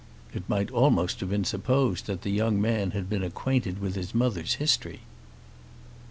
It might almost have been supposed that the young man had been acquainted with his mother's history.